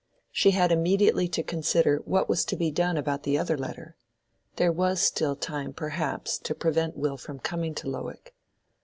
She had immediately to consider what was to be done about the other letter: there was still time perhaps to prevent Will from coming to Lowick.